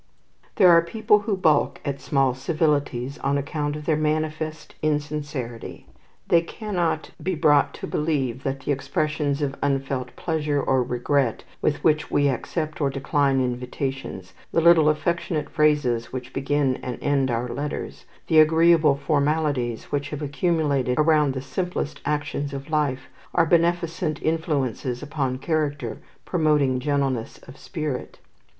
There are people who balk at small civilities on account of their manifest insincerity. They cannot be brought to believe that the expressions of unfelt pleasure or regret with which we accept or decline invitations, the little affectionate phrases which begin and end our letters, the agreeable formalities which have accumulated around the simplest actions of life, are beneficent influences upon character, promoting gentleness of spirit.